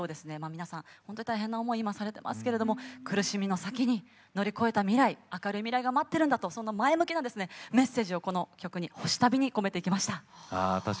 皆さん本当に今、大変な思いをされてますけど苦しみの先に乗り越えた未来が明るい未来が待っているんだと前向きなメッセージをこの曲「星旅」に込めてきました。